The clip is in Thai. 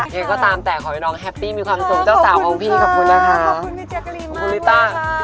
เนก้าตามแต่ขอให้น้องแฮปปี้มีความสุขเจ้าสาวของพี่ขอบคุณนะคะขอบคุณค่ะ